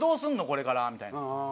これから」みたいな。